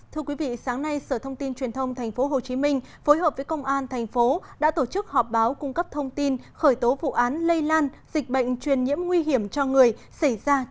thưa quý vị sáng nay sở thông tin truyền thông tp hcm phối hợp với công an thành phố đã tổ chức họp báo cung cấp thông tin khởi tố vụ án lây lan dịch bệnh truyền nhiễm nguy hiểm cho người xảy ra trên địa